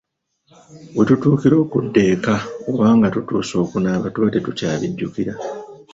Wetutuukira okudda eka oba nga tutuuse okunaaba tuba tetukyabijjukira.